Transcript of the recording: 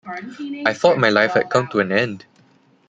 I thought my life had come to an end.